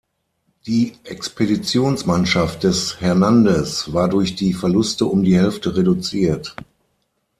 Die Expeditionsmannschaft des Hernández war durch die Verluste um die Hälfte reduziert.